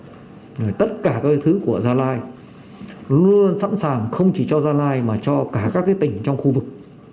xét nghiệm tất cả cái thứ của gia lai luôn sẵn sàng không chỉ cho gia lai mà cho cả các tỉnh trong khu vực